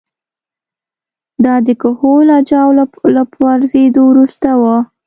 دا د کهول اجاو له پرځېدو وروسته وه